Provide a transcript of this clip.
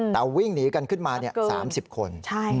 แต่วิ่งหนีกันขึ้นมา๓๐คน